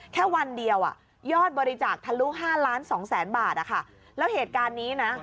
แค่วันเดียวยอดบริจาคทะลุ๕ล้าน๒แสนบาทแล้วเหตุการณ์นี้นะ